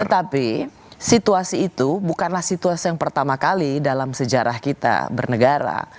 tetapi situasi itu bukanlah situasi yang pertama kali dalam sejarah kita bernegara